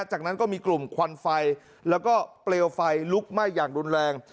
จากนั้นก็มีกลุ่มควันไฟแล้วก็เปลวไฟลุกไหม้อย่างรุนแรง